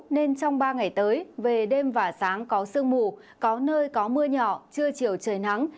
nên trong ba ngày tới về đêm và sáng có sương mù có nơi có mưa nhỏ trưa chiều trời nắng